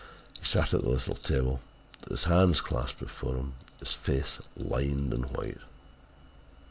He sat at the little table, his hands clasped before him, his face lined and white.